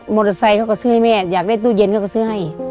ไซค์เขาก็ซื้อให้แม่อยากได้ตู้เย็นเขาก็ซื้อให้